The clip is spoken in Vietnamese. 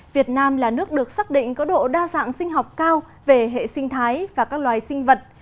việt nam là nước được xác định có độ đa dạng sinh học cao về hệ sinh thái và các loài sinh vật